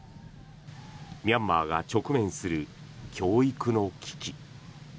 ミャンマーが直面する教育の危機。